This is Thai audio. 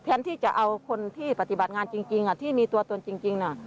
ที่จะเอาคนที่ปฏิบัติงานจริงที่มีตัวตนจริง